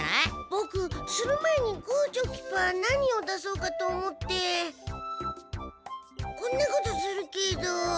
ボクする前にグーチョキパー何を出そうかと思ってこんなことするけど。